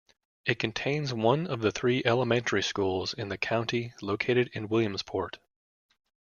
It contains one of the three elementary schools in the county, located in Williamsport.